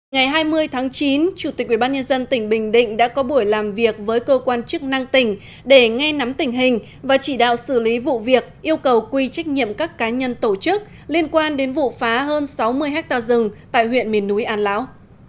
ngày hai mươi tháng chín chủ tịch ubnd tỉnh bình định đã có buổi làm việc với cơ quan chức năng tỉnh để nghe nắm tình hình và chỉ đạo xử lý vụ việc yêu cầu quy trách nhiệm các cá nhân tổ chức liên quan đến vụ phá hơn sáu mươi hectare rừng tại huyện miền núi an lão